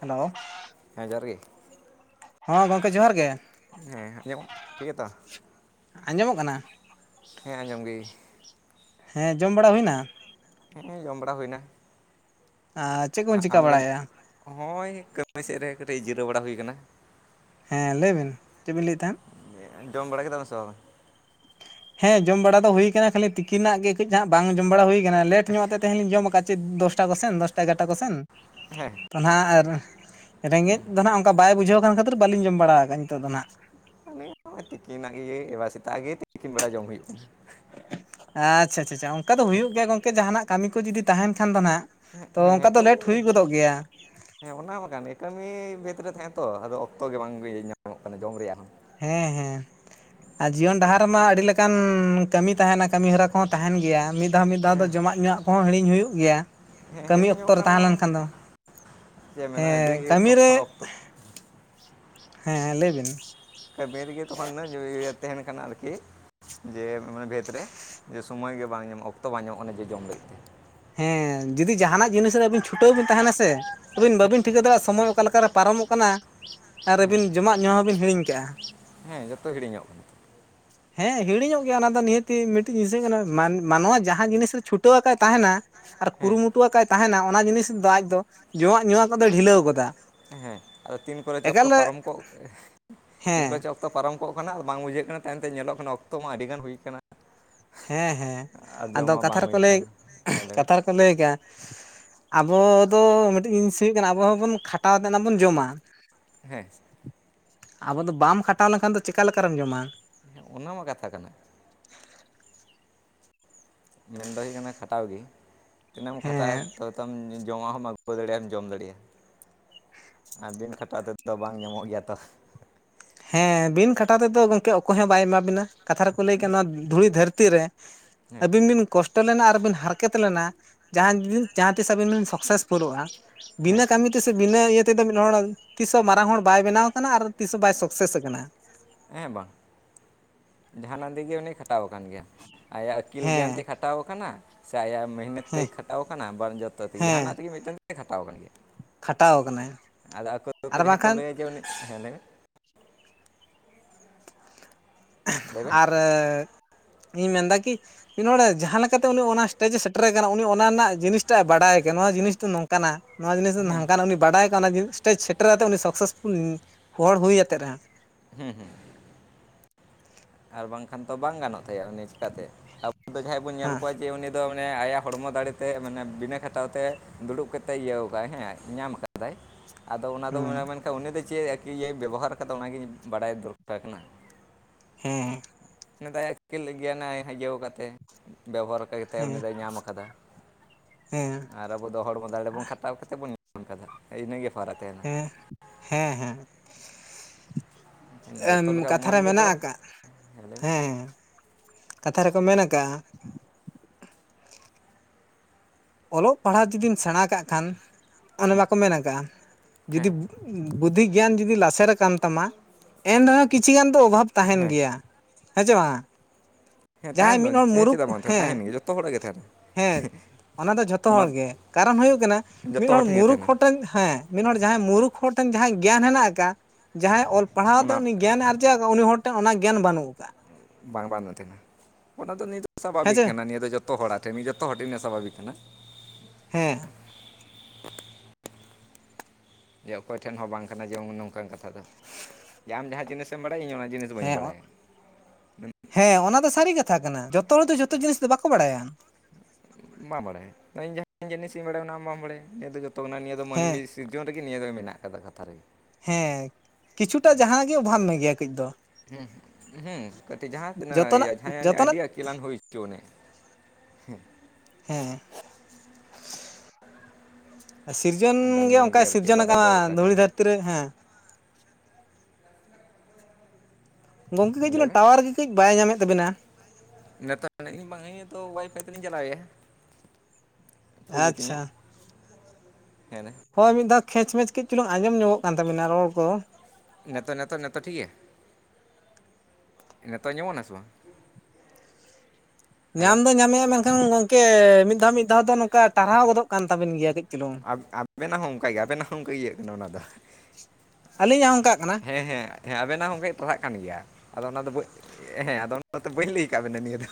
Hello ᱦᱮᱸ ᱡᱚᱦᱟᱨ ᱜᱮ᱾ ᱦᱮᱸ ᱜᱚᱢᱠᱮ ᱡᱚᱦᱟᱨ ᱜᱮ᱾ ᱦᱮᱸ ᱟᱸᱡᱚᱢᱚᱜ ᱴᱷᱤᱠ ᱜᱮᱛᱚ? ᱟᱸᱡᱚᱢᱚᱜ ᱠᱟᱱᱟ? ᱦᱮᱸ ᱟᱸᱡᱚᱢ ᱜᱮ ᱦᱮᱸ ᱡᱚᱢ ᱵᱟᱲᱟ ᱦᱩᱭᱱᱟ? ᱱᱮᱜ-ᱚᱭ ᱡᱚᱢ ᱵᱟᱲᱟ ᱦᱩᱭᱱᱟ᱾ ᱟᱡᱻ ᱟᱢᱜᱮᱢ, ᱦᱳᱭ ᱠᱟᱹᱢᱤ ᱥᱮᱫ ᱨᱮ ᱠᱟᱹᱴᱤᱡ ᱡᱤᱨᱟᱹᱣ ᱵᱟᱲᱟ ᱦᱩᱭ ᱟᱠᱟᱱᱟ᱾ ᱦᱮᱸ ᱞᱟᱹᱭ ᱵᱤᱱ ᱪᱮᱫ ᱵᱤᱱ ᱞᱟᱹᱭᱮᱫ ᱛᱟᱦᱮᱫ? ᱦᱮᱸ ᱡᱚᱢ ᱵᱟᱲᱟ ᱠᱮᱫᱟ ᱯᱮ ᱥᱮ ᱵᱟᱝ? ᱦᱮᱸ ᱡᱚᱢ ᱵᱟᱲᱟ ᱫᱚ ᱦᱩᱭ ᱠᱟᱱᱟ ᱠᱷᱟᱹᱞᱤ ᱛᱤᱠᱤᱱᱟᱜ ᱜᱮ ᱠᱟᱹᱡ ᱦᱟᱸᱜ ᱵᱟᱝ ᱡᱚᱢ ᱵᱟᱲᱟ ᱦᱩᱭ ᱟᱠᱟᱱᱟ ᱞᱮᱴ ᱧᱚᱜ ᱛᱮ ᱛᱮᱦᱮᱱᱤᱧ ᱡᱚᱢ ᱟᱠᱟᱫ ᱪᱮᱫ ᱫᱚᱥᱴᱟ ᱠᱚ ᱥᱮᱱ ᱫᱚᱥᱴᱟ ᱮᱜᱟᱨᱚᱴᱟ ᱠᱚ ᱥᱮᱱ᱾ ᱦᱮᱸ ᱛᱚ ᱱᱟ-ᱦᱟᱜ ᱟᱨ ᱨᱮᱸᱜᱮᱡ ᱫᱚ ᱱᱟ-ᱦᱟᱜ ᱚᱱᱠᱟ ᱵᱟᱭ ᱵᱩᱡᱷᱟᱹᱣ ᱠᱟᱱ ᱠᱷᱟᱹᱛᱤᱨ ᱵᱟᱹᱞᱤᱧ ᱡᱚᱢ ᱵᱟᱲᱟ ᱟᱠᱟᱫᱼᱟ ᱱᱤᱛᱚᱜ ᱫᱚ ᱱᱟ-ᱦᱟᱸᱜ᱾ ᱱᱚᱜ-ᱚᱭ ᱛᱤᱠᱤᱱᱟᱜ ᱜᱮ ᱮᱵᱟᱨ ᱥᱮᱛᱟᱜ ᱜᱮ ᱛᱤᱠᱤᱱ ᱵᱮᱲᱟ ᱡᱚᱢ ᱦᱩᱭᱩᱜ ᱠᱟᱱᱟ᱾ ᱟᱪᱪᱷᱟ ᱪᱷᱟ ᱪᱷᱟ ᱚᱱᱠᱟ ᱫᱚ ᱦᱩᱭᱩᱜ ᱜᱮᱭᱟ ᱜᱚᱝᱠᱮ ᱡᱟᱦᱟᱱᱟᱜ ᱠᱟᱹᱢᱤ ᱠᱚ ᱡᱩᱫᱤ ᱛᱟᱦᱮᱱ ᱠᱷᱟᱱ ᱫᱚ ᱱᱟᱜ, ᱛᱚ ᱦᱮᱸ ᱚᱱᱠᱟ ᱦᱮᱸ ᱫᱚ ᱞᱮᱴ ᱠᱟᱹᱢᱤ ᱦᱩᱭ ᱜᱚᱫᱚᱜ ᱜᱮᱭᱟ᱾ ᱦᱮᱸ ᱚᱱᱟ ᱢᱟ ᱠᱟᱱ ᱜᱮ ᱠᱟᱹᱢᱤ ᱵᱷᱮᱫ ᱨᱮ ᱛᱟᱦᱮᱸ ᱛᱚ ᱟᱫᱚ ᱚᱠᱛᱚ ᱜᱮ ᱵᱟᱝ ᱧᱟᱢᱚᱜ ᱠᱟᱱᱟ ᱡᱚᱢ ᱨᱮᱭᱟᱜ ᱦᱚᱸ᱾ ᱦᱮᱸ ᱦᱮᱸ᱾ ᱟᱨ ᱡᱤᱭᱚᱱ ᱰᱟᱦᱟᱨ ᱨᱮᱢᱟ ᱟᱹᱰᱤ ᱞᱮᱠᱟᱱ ᱠᱟᱹᱢᱤ ᱛᱟᱦᱮᱱᱟ ᱠᱟᱹᱢᱤ ᱦᱚᱨᱟ ᱠᱚᱦᱚᱸ ᱛᱟᱦᱮᱱ ᱜᱮᱭᱟ ᱢᱤᱫ ᱫᱷᱟᱣ ᱢᱤᱫ ᱫᱷᱟᱣ ᱫᱚ ᱦᱮᱸ ᱡᱚᱢᱟᱜ ᱧᱩᱣᱟᱜ ᱠᱚ ᱦᱚᱸ ᱦᱤᱲᱤᱧ ᱦᱩᱭᱩᱜ ᱜᱮᱭᱟ᱾ ᱦᱮᱸ ᱠᱟᱹᱢᱤ ᱚᱠᱛᱚ ᱦᱤᱲᱤᱧᱚᱜ ᱨᱮ ᱛᱟᱦᱮᱸ ᱠᱟᱱᱟ ᱞᱮᱱᱠᱷᱟᱱ ᱫᱚ ᱪᱮᱫ ᱢᱮᱱᱟ ᱦᱮᱸ ᱟᱹᱰᱤ ᱠᱟᱹᱢᱤ ᱨᱮ ᱛᱚᱠᱷᱚᱱ ᱚᱠᱛᱚ ᱦᱮᱸ ᱞᱟᱹᱭ ᱵᱤᱱ᱾ ᱠᱟᱹᱢᱤ ᱨᱮᱜᱮ ᱛᱚᱠᱷᱚᱱ ᱫᱚ ᱛᱟᱦᱮᱱ ᱠᱟᱱᱟ ᱟᱨᱠᱤ ᱠᱤ ᱡᱮ ᱢᱟᱱᱮ ᱵᱷᱮᱫ ᱨᱮ ᱡᱮ ᱥᱚᱢᱚᱭ ᱜᱮ ᱵᱟᱝ ᱧᱟᱢᱚᱜ ᱚᱠᱛᱚ ᱵᱟᱝ ᱧᱟᱢᱚᱜᱼᱟ ᱠᱟᱱᱟ ᱡᱮ ᱡᱚᱢ ᱞᱟᱹᱜᱤᱫ ᱛᱮ᱾ ᱦᱮᱸ ᱡᱩᱫᱤ ᱡᱟᱦᱟᱱᱟᱜ ᱡᱤᱱᱤᱥ ᱨᱮ ᱟᱹᱵᱤᱱ ᱪᱷᱩᱴᱟᱹᱣ ᱵᱤᱱ ᱛᱟᱦᱮᱱᱟ ᱥᱮ, ᱟᱹᱵᱤᱱ ᱵᱟᱹᱵᱤᱱ ᱴᱷᱤᱠᱟᱹ ᱫᱟᱲᱮᱭᱟᱜᱼᱟ ᱥᱚᱢᱚᱭ ᱚᱠᱟ ᱞᱮᱠᱟᱨᱮ ᱯᱟᱨᱚᱢᱚᱜ ᱠᱟᱱᱟ ᱟᱨ ᱟᱹᱵᱤᱱ ᱡᱚᱢᱟᱜ ᱧᱩᱣᱟᱜ ᱦᱚᱸᱵᱤᱱ ᱦᱤᱲᱤᱧ ᱠᱟᱜᱼᱟ ᱦᱮᱸ ᱡᱚᱛᱚ ᱦᱤᱲᱤᱧᱚᱜ ᱠᱟᱱᱟ [inaudible] ᱦᱮᱸ ᱦᱤᱲᱤᱧᱚᱜ ᱜᱮᱭᱟ ᱚᱱᱟ ᱫᱚ, ᱱᱤᱦᱟᱹᱛᱤ ᱢᱤᱫᱴᱤᱡ ᱡᱤᱱᱤᱥᱟᱹᱜ ᱠᱟᱱᱟ, ᱢᱟᱱᱣᱟ ᱡᱟᱦᱟᱸ ᱡᱤᱱᱤᱥ ᱪᱷᱩᱴᱟᱹᱣ ᱟᱠᱟᱫ ᱛᱟᱦᱮᱱᱟ ᱾ ᱟᱨ ᱦᱮᱸ ᱠᱩᱨᱩᱢᱩᱴᱩ ᱠᱟᱭ ᱛᱟᱦᱮᱱᱟ ᱚᱱᱟ ᱡᱤᱱᱤᱥ ᱫᱚ ᱟᱡ ᱫᱚ ᱡᱚᱢᱟᱜ ᱧᱩᱣᱟᱜ ᱠᱚᱫᱚ ᱰᱷᱤᱞᱟᱹᱣ ᱜᱚᱫᱟ ᱾ ᱦᱮᱸ, ᱟᱫᱚ ᱛᱤᱱ ᱠᱚᱨᱮ ᱪᱚ ᱚᱠᱛᱚ ᱯᱟᱨᱚᱢ ᱠᱚᱜ ᱛᱤᱱ ᱦᱮᱸ ᱠᱚᱨᱮ ᱪᱚ ᱚᱠᱛᱚ ᱯᱟᱨᱚᱢ ᱠᱚᱜ ᱠᱟᱱᱟ ᱵᱟᱝ ᱵᱩᱡᱷᱟᱹᱜ ᱠᱟᱱᱟ, ᱛᱟᱭᱚᱢᱛᱮ ᱧᱮᱞᱚᱜ ᱠᱟᱱᱟ ᱚᱠᱛᱚ ᱢᱟ ᱟᱹᱰᱤ ᱜᱟᱱ ᱦᱩᱭ ᱟᱠᱟᱱᱟ ᱾ ᱦᱮᱸ ᱦᱮᱸ, ᱡᱚᱢ ᱟᱫᱚ ᱢᱟ ᱠᱟᱛᱷᱟ ᱵᱟᱝ ᱨᱮᱠᱚ ᱦᱩᱭ ᱞᱟᱹᱭ ᱠᱟᱱ ᱦᱮᱸ ᱞᱟᱹᱭ ᱢᱮ ᱠᱟᱛᱷᱟ ᱨᱮᱠᱚ ᱞᱟᱹᱭ ᱠᱼᱟ ᱟᱵᱚ ᱫᱚ ᱢᱤᱫᱴᱤᱡ ᱡᱤᱱᱤᱥ ᱦᱩᱭᱩᱜ ᱠᱟᱱᱟ, ᱟᱵᱚ ᱦᱚᱸᱵᱚᱱ ᱠᱷᱟᱴᱟᱣ ᱛᱮ ᱚᱱᱟ ᱵᱚᱱ ᱡᱚᱢᱟ ᱾ ᱦᱮᱸ ᱾ ᱟᱵᱚ ᱫᱚ ᱵᱟᱢ ᱠᱷᱟᱴᱟᱣ ᱞᱮᱱᱠᱷᱟᱱ ᱫᱚ ᱪᱮᱠᱟᱞᱮᱠᱟᱨᱮᱢ ᱡᱚᱢᱟ? ᱚᱱᱟᱢᱟ ᱠᱟᱛᱷᱟ ᱠᱟᱱᱟ ᱢᱮᱱ ᱫᱟᱧ ᱚᱱᱟ ᱠᱷᱟᱴᱟᱣ ᱜᱮ, ᱛᱤᱱᱟᱹᱜ ᱮᱢ ᱠᱷᱟᱴᱟᱜᱼᱟ ᱦᱮᱸ ᱛᱚ ᱛᱟᱢ ᱡᱚᱢᱟᱜ ᱦᱚᱢ ᱟᱹᱜᱩ ᱫᱟᱲᱮᱭᱟᱜᱼᱟᱢ ᱡᱚᱢ ᱫᱟᱲᱮᱭᱟᱜᱼᱟ ᱾ ᱟᱨ ᱵᱤᱱ ᱠᱷᱟᱴᱟᱣ ᱛᱮᱫᱚ ᱵᱟᱝ ᱧᱟᱢᱚᱜ ᱜᱮᱭᱟ ᱛᱚ ᱾ ᱦᱮᱸ, ᱵᱤᱱ ᱠᱷᱟᱴᱟᱣ ᱛᱮᱫᱚ ᱜᱚᱢᱠᱮ ᱚᱠᱚᱭ ᱦᱚᱸ ᱵᱟᱭ ᱮᱢᱟ ᱵᱤᱱᱟ, ᱠᱟᱛᱷᱟ ᱨᱮᱠᱚ ᱞᱟᱹᱭ ᱠᱮᱫ ᱱᱚᱣᱟ ᱫᱷᱩᱲᱤ ᱫᱷᱟᱹᱨᱛᱤ ᱨᱮ, ᱦᱮᱸ ᱟᱹᱵᱤᱱ ᱵᱤᱱ ᱠᱚᱥᱴᱚ ᱞᱮᱱᱟ ᱟᱨ ᱵᱤᱱ ᱦᱟᱨᱠᱮᱛ ᱞᱮᱱᱟ, ᱡᱟᱦᱟᱸ ᱛᱤᱡ ᱡᱟᱦᱟᱸ ᱛᱤᱥ ᱟᱵᱤᱱ ᱵᱤᱱ ᱥᱟᱠᱥᱮᱥᱯᱷᱩᱞᱚᱜᱼᱟ ᱵᱤᱱᱟᱹ ᱦᱮᱸ ᱠᱟᱹᱢᱤ ᱛᱤᱥ ᱵᱤᱱᱟᱹ ᱤᱭᱟᱹ ᱛᱮᱫᱚ ᱢᱤᱫ ᱦᱚᱲ ᱛᱤᱥ ᱦᱚᱸ ᱢᱟᱨᱟᱝ ᱦᱚᱲ ᱵᱟᱭ ᱵᱮᱱᱟᱣ ᱟᱠᱟᱱᱟ ᱾ ᱟᱨ ᱛᱤᱥ ᱦᱚᱸ ᱵᱟᱭ ᱥᱟᱠᱥᱮᱥ ᱟᱠᱟᱱᱟ ᱦᱮᱸ ᱵᱟᱝ ᱾ ᱡᱟᱦᱟᱱᱟᱜ ᱫᱤᱜ ᱜᱮ ᱩᱱᱤᱭ ᱠᱷᱟᱴᱟᱣ ᱟᱠᱟᱱ ᱜᱮᱭᱟ, ᱟᱭᱟᱜ ᱟᱹᱠᱤᱞ ᱜᱮᱭᱟᱱ ᱛᱮ ᱦᱮᱸ ᱠᱷᱟᱴᱟᱣ ᱟᱠᱟᱱᱟ, ᱥᱮ ᱟᱭᱟᱜ ᱢᱮᱦᱱᱚᱛ ᱦᱮᱸ ᱛᱮᱭ ᱠᱷᱟᱴᱟᱣ ᱠᱟᱱᱟ, ᱵᱟᱝ ᱡᱚᱛᱚ ᱛᱮᱜᱮ ᱦᱮᱸ ᱡᱟᱦᱟᱱᱟᱜ ᱛᱮᱜᱮ ᱢᱤᱫᱴᱮᱱ ᱛᱮᱭ ᱠᱷᱟᱴᱟᱣ ᱠᱟᱱ ᱜᱮᱭᱟ ᱠᱷᱟᱴᱟᱣ ᱟᱠᱟᱱᱟᱭ ᱾ ᱟᱫᱚ ᱟᱠᱚ ᱠᱚ ᱟᱨ ᱡᱟᱦᱟᱸᱭ ᱠᱚ ᱵᱟᱝᱠᱷᱟᱱ ᱞᱟᱹᱭᱟ ᱡᱮ ᱩᱱᱤ ᱦᱮᱸ ᱞᱟᱹᱭ ᱢᱮ ᱞᱟᱹᱭ ᱵᱮᱱ ᱟᱨ ᱤᱧ ᱢᱮᱱᱫᱟ ᱠᱤ ᱠᱤ ᱱᱚᱰᱮ ᱡᱟᱦᱟᱸ ᱞᱮᱠᱟ ᱛᱮ ᱩᱱᱤ ᱚᱱᱟ ᱥᱴᱮᱡᱮ ᱥᱮᱴᱮᱨ ᱠᱟᱱᱟ, ᱩᱱᱤ ᱚᱱᱟ ᱨᱮᱱᱟᱜ ᱡᱤᱱᱤᱥᱴᱟᱜ ᱮ ᱵᱟᱰᱟᱭ ᱠᱟᱱᱟ, ᱱᱚᱣᱟ ᱡᱤᱱᱤᱥ ᱫᱚ ᱱᱚᱝᱠᱟᱱᱟ ᱾ ᱱᱚᱣᱟ ᱡᱤᱱᱤᱥ ᱫᱚ ᱦᱮᱸ ᱱᱷᱟᱝᱠᱟᱱᱟ ᱩᱱᱤ ᱵᱟᱰᱟᱭ ᱠᱚ ᱚᱱᱟ ᱥᱴᱮᱡᱽ ᱥᱮᱴᱮᱨ ᱠᱟᱛᱮ ᱩᱱᱤ ᱥᱟᱠᱥᱮᱥᱯᱷᱩᱞ ᱦᱚᱲ ᱦᱩᱭ ᱟᱛᱮᱫ ᱨᱮᱦᱚᱸ ᱦᱩᱸ ᱦᱩᱸ ᱾ ᱟᱨ ᱵᱟᱝᱠᱷᱟᱱ ᱛᱚ ᱵᱟᱝ ᱜᱟᱱᱚᱜ ᱛᱟᱭᱟ, ᱩᱱᱤ ᱪᱤᱠᱟᱛᱮ? ᱟᱵᱚ ᱫᱚ ᱡᱟᱦᱟᱸᱭ ᱵᱚᱱ ᱧᱮᱞ ᱠᱚᱣᱟ᱾ ᱫᱚ ᱢᱟᱱᱮ ᱟᱭᱟᱜ ᱦᱚᱲᱢᱚ ᱫᱟᱲᱮ ᱛᱮ, ᱢᱟᱱᱮ ᱵᱤᱱᱟᱹ ᱠᱷᱟᱴᱟᱣ ᱛᱮ, ᱫᱩᱲᱩᱵ ᱠᱟᱛᱮ ᱤᱭᱟᱹᱣ ᱠᱟᱜ ᱟᱭ ᱦᱮᱸ ᱧᱟᱢ ᱟᱠᱟᱫ ᱾ ᱟᱫᱚ ᱚᱱᱟ ᱫᱚ ᱢᱮ ᱦᱮᱸ ᱢᱮᱱᱠᱷᱟᱱ ᱩᱱᱤ ᱫᱚ ᱪᱮᱫ ᱤᱭᱟᱹ ᱵᱮᱵᱚᱦᱟᱨ ᱟᱠᱟᱫᱟ ᱚᱱᱟ ᱜᱮ ᱵᱟᱰᱟᱭ ᱫᱚᱨᱠᱟᱨ ᱠᱟᱱᱟ ᱾ ᱦᱩᱸ ᱾ ᱩᱱᱤ ᱫᱚ ᱟᱭᱟᱜ ᱟᱹᱠᱤᱞ ᱜᱮᱭᱟᱱ ᱤᱭᱟᱹᱣ ᱠᱟᱛᱮ ᱵᱮᱵᱚᱦᱟᱨ ᱛᱮ ᱩᱱᱤ ᱦᱮᱸ ᱫᱚᱭ ᱧᱟᱢ ᱟᱠᱟᱫᱟ ᱦᱮᱸ ᱾ ᱟᱨ ᱟᱵᱚ ᱫᱚ ᱦᱚᱲᱢᱚ ᱫᱟᱲᱮ ᱵᱚᱱ ᱠᱷᱟᱴᱟᱣ ᱠᱟᱛᱮ ᱵᱚᱱ ᱧᱟᱢ ᱠᱟᱫᱟ ᱾ ᱤᱱᱟᱹᱜᱮ ᱯᱷᱚᱨᱟᱠ ᱛᱮ ᱾ ᱦᱮᱸ ᱦᱮᱸ ᱦᱮᱸ ᱡᱚᱛᱚ ᱾ ᱞᱮᱠᱟ ᱠᱟᱛᱷᱟ ᱨᱮ ᱢᱟᱹᱱᱢᱤ ᱢᱮᱱᱟᱜ ᱫᱚ ᱟᱠᱟᱜ, ᱞᱟᱹᱭ ᱢᱮ ᱦᱮᱸ, ᱠᱟᱛᱷᱟ ᱨᱮᱠᱚ ᱢᱮᱱ ᱟᱠᱟᱜᱼᱟ ᱾ ᱚᱞᱚᱜ ᱯᱟᱲᱦᱟᱜ ᱡᱩᱫᱤᱢ ᱥᱮᱬᱟ ᱠᱟᱜ ᱠᱷᱟᱱ, ᱚᱱᱮ ᱵᱟᱠᱚ ᱢᱮᱱ ᱠᱟᱜᱼᱟ ᱡᱩᱫᱤ ᱦᱮᱸ ᱵᱩᱫᱽᱫᱷᱤ ᱜᱮᱭᱟᱱ ᱡᱩᱫᱤ ᱞᱟᱥᱮᱨ ᱟᱠᱟᱱ ᱛᱟᱢᱟ ᱮᱱ ᱨᱮᱦᱚᱸ ᱠᱤᱪᱷᱤ ᱜᱟᱱ ᱫᱚ ᱚᱵᱷᱟᱵ ᱛᱟᱦᱮᱱ ᱦᱮᱸ ᱜᱮᱭᱟ ᱾ ᱦᱮᱸ ᱪᱮ ᱵᱟᱝᱟ ᱦᱮᱸ ᱾ ᱡᱟᱦᱟᱸᱭ ᱛᱟᱦᱮᱱ ᱫᱚ ᱢᱤᱫ ᱦᱚᱲ ᱦᱮᱸ ᱢᱩᱨᱩᱠᱷ, ᱪᱮᱫᱟᱜ ᱵᱟᱝ ᱛᱟᱦᱮᱱᱟ ᱦᱮᱸ, ᱛᱟᱦᱮᱱ ᱜᱮᱭᱟ ᱡᱚᱛᱚ ᱦᱚᱲᱟᱜ ᱜᱮ ᱛᱟᱦᱮᱱᱟ ᱦᱮᱸ ᱾ ᱚᱱᱟ ᱫᱚ ᱡᱷᱚᱛᱚ ᱚᱱᱟ ᱦᱚᱲ ᱜᱮ ᱠᱟᱨᱚᱱ ᱦᱩᱭᱩᱜ ᱠᱟᱱᱟ, ᱢᱤᱫ ᱡᱚᱛᱚ ᱦᱚᱲ ᱴᱷᱮᱱ ᱜᱮ ᱢᱩᱨᱩᱠᱷ ᱛᱟᱦᱮᱱᱟ ᱦᱚᱲ ᱴᱷᱮᱱ ᱦᱮᱸ ᱢᱤᱫ ᱦᱚᱲ ᱡᱟᱦᱟᱸᱭ ᱢᱩᱨᱩᱠᱷ ᱦᱚᱲ ᱴᱷᱮᱱ ᱡᱟᱦᱟᱸᱭ ᱜᱮᱭᱟᱱ ᱦᱮᱱᱟᱜ ᱟᱠᱟᱜᱼᱟ, ᱡᱟᱦᱟᱸᱭ ᱚᱞ ᱯᱟᱲᱦᱟᱣ ᱛᱮ ᱚᱱᱟ ᱩᱱᱤ ᱜᱮᱭᱟᱱ ᱟᱨ ᱪᱮᱫᱠᱟ ᱩᱱᱤ ᱦᱚᱲ ᱴᱷᱮᱱ ᱚᱱᱟ ᱜᱮᱭᱟᱱ ᱵᱟᱹᱱᱩᱜ ᱟᱠᱟᱜᱼᱟ ᱾ ᱵᱟᱝ ᱵᱟᱝ ᱛᱟᱦᱮᱱᱟ, ᱚᱱᱟ ᱫᱚ ᱱᱤᱭᱟᱹ ᱫᱚ ᱦᱮᱸ ᱥᱟᱵᱷᱟᱵᱤᱠ ᱥᱮ ᱠᱟᱱᱟ, ᱱᱤᱭᱟᱹ ᱫᱚ ᱡᱚᱛᱚ ᱾ ᱡᱚᱛᱚ ᱦᱚᱲᱟᱜ ᱴᱷᱮᱱ ᱡᱚᱛᱚ ᱦᱚᱲ ᱴᱷᱮᱱ ᱱᱮᱥᱟᱵᱷᱟᱵᱤ ᱠᱟᱱᱟ ᱾ ᱦᱮᱸ ᱡᱮ ᱚᱠᱚᱭ ᱴᱷᱮᱱ ᱦᱚᱸ ᱵᱟᱝ ᱠᱟᱱᱟ ᱡᱮ ᱱᱚᱝᱠᱟᱱ ᱠᱟᱛᱷᱟ ᱫᱚ ᱡᱮ ᱟᱢ ᱡᱟᱦᱟᱸ ᱡᱤᱱᱤᱥᱮᱢ ᱵᱟᱰᱟᱭᱟᱢ ᱤᱧ ᱚᱱᱟ ᱡᱤᱱᱤᱥ ᱵᱟᱹᱧ ᱦᱮᱸ ᱵᱟᱲᱟᱭᱟ ᱦᱮᱸ, ᱚᱱᱟ ᱫᱚ ᱥᱟᱹᱨᱤ ᱠᱟᱛᱷᱟ ᱠᱟᱱᱟ ᱡᱚᱛᱚ ᱦᱚᱲ ᱫᱚ ᱡᱚᱛᱚ ᱡᱤᱱᱤᱥ ᱫᱚ ᱵᱟᱠᱚ ᱵᱟᱲᱟᱭᱟ᱾ ᱵᱟᱢ ᱵᱟᱲᱟᱭ ᱤᱧ ᱡᱟᱦᱟᱸ ᱡᱤᱱᱤᱥ ᱤᱧ ᱵᱟᱲᱟᱭᱟ ᱚᱱᱟ ᱢᱟᱢ ᱵᱟᱲᱟᱭ ᱱᱤᱭᱟᱹ ᱫᱚ ᱡᱚᱛᱚ ᱠᱟᱱᱟ ᱱᱤᱭᱟᱹ ᱫᱚ ᱢᱟᱱᱢᱤ ᱦᱮᱸ ᱤᱥ ᱥᱤᱨᱡᱚᱱ ᱨᱮᱜᱮ ᱱᱤᱭᱟᱹ ᱫᱚ ᱢᱮᱱᱟᱜ ᱠᱟᱫᱟ ᱠᱟᱛᱷᱟ ᱨᱮᱜᱮ᱾ ᱦᱮᱸ ᱠᱤᱪᱷᱩᱴᱟ ᱡᱟᱦᱟᱸ ᱜᱮ ᱚᱵᱷᱟᱵᱽ ᱢᱮᱜᱮᱭᱟ ᱠᱟᱹᱡ ᱫᱚ᱾ ᱦᱩ ᱦᱩᱸ ᱠᱟᱹᱴᱤᱡ ᱡᱟᱦᱟᱸ ᱛᱤᱱᱟᱹᱜ ᱡᱚᱛᱚᱱᱟᱜ ᱤᱭᱟᱹ ᱡᱟᱦᱟᱸᱭ ᱩᱱᱤ ᱡᱚᱛᱚᱱᱟᱜ ᱟᱹᱰᱤ ᱟᱸᱴ ᱪᱮᱞᱟᱝ ᱦᱩᱭ ᱪᱩ ᱟᱱᱤ ᱦᱩᱸ᱾ ᱦᱮᱸ᱾ [inaudible] ᱥᱤᱨᱡᱚᱱ ᱟᱫᱚ ᱜᱮ ᱱᱤᱭᱟᱹᱜᱮ ᱚᱱᱠᱟᱭ ᱟᱨᱠᱤ ᱥᱤᱨᱡᱚᱱ ᱵᱟᱰᱟᱭ ᱟᱠᱟᱱᱟ ᱫᱚ ᱫᱚᱨᱠᱟᱨ ᱫᱷᱩᱲᱤ ᱠᱟᱱᱟ ᱫᱷᱟᱹᱨᱛᱤ ᱨᱮ ᱦᱮᱸ᱾ ᱜᱚᱝᱠᱮ ᱠᱟᱹᱡ ᱪᱟᱞᱟᱝ ᱴᱟᱣᱟᱨ ᱜᱮ ᱠᱟᱹᱡ ᱵᱟᱭ ᱧᱟᱢᱮᱫ ᱛᱟᱵᱮᱱᱟ᱾ ᱱᱮᱛᱟᱜ ᱤᱧ ᱵᱟᱝ ᱤᱧ ᱦᱚᱛᱚ ᱚᱣᱟᱭᱯᱷᱟᱭ ᱛᱮᱞᱤᱧ ᱪᱟᱞᱟᱣ ᱮᱭᱟ᱾ ᱯᱷᱩᱞ ᱜᱮᱛᱤᱧᱟ ᱟᱪᱪᱷᱟ ᱛᱟᱦᱮᱞᱮ᱾ ᱦᱳᱭ ᱢᱤᱫ ᱫᱷᱟᱣ ᱠᱷᱮᱪᱼᱢᱮᱪ ᱠᱟᱹᱡ ᱪᱩᱞᱩᱝ ᱟᱸᱡᱚᱢ ᱧᱚᱜ ᱠᱟᱱ ᱛᱟᱵᱤᱱᱟ ᱨᱚᱲ ᱠᱚ᱾ ᱱᱮᱛᱚ ᱱᱮᱛᱚ ᱱᱮᱛᱚᱜ ᱴᱷᱤᱠ ᱜᱮᱭᱟ᱾ ᱱᱮᱛᱚᱜ ᱟᱸᱢᱚᱜ ᱱᱟ ᱥᱮ ᱵᱟᱝ? ᱦᱮᱞᱳ ᱧᱟᱢ ᱫᱚ ᱧᱟᱢᱮᱜᱼᱟ ᱢᱮᱱᱠᱷᱟᱱ ᱜᱚᱝᱠᱮ ᱢᱤᱫ ᱫᱷᱟᱹᱣ ᱢᱤᱫ ᱫᱷᱟᱹᱣ ᱫᱚ ᱱᱚᱝᱠᱟ ᱴᱟᱨᱦᱟᱣ ᱜᱚᱫᱚᱜ ᱠᱟᱱ ᱛᱟᱵᱤᱱ ᱜᱮᱭᱟ ᱠᱟᱹᱡ ᱪᱤᱞᱩᱝ᱾ ᱟᱵ-ᱟᱵᱮᱱᱟᱜ ᱦᱚᱸ ᱚᱱᱠᱟ ᱜᱮ ᱟᱵᱮᱱᱟᱜ ᱦᱚᱸ ᱚᱱᱠᱟ ᱤᱭᱟᱹᱜ ᱠᱟᱱᱟ ᱚᱱᱟ ᱫᱚ ᱟᱹᱞᱤᱧᱟᱜ ᱦᱚᱸ ᱚᱱᱠᱟᱜ ᱠᱟᱱᱟ ᱦᱮᱸ ᱦᱮᱸ᱾ ᱦᱮᱸ ᱟᱵᱮᱱᱟᱜ ᱦᱚᱸ ᱚᱱᱠᱟ ᱴᱨᱟᱦᱟᱜ ᱠᱟᱱ ᱜᱮᱭᱟ ᱟᱫᱚ ᱚᱱᱟ ᱫᱚ ᱵᱟᱹ ᱮ ᱦᱮᱸ ᱟᱫᱚ ᱚᱱᱟ ᱛᱮ ᱵᱟᱹᱧ ᱞᱟᱹᱭ ᱠᱟᱜ ᱵᱮᱱᱟ ᱱᱤᱭᱟᱹ ᱫᱚ